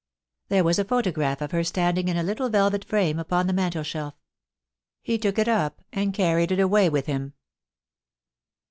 There was a photograph of her standing in a little velvet frame upon the mantelshel£ He took it up and carried it away with him.